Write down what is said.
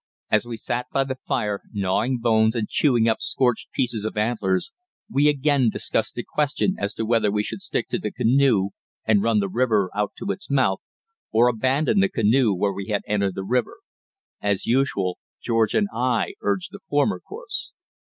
As we sat by the fire gnawing bones and chewing up scorched pieces of antlers, we again discussed the question as to whether we should stick to the canoe and run the river out to its mouth or abandon the canoe where we had entered the river. As usual George and I urged the former course.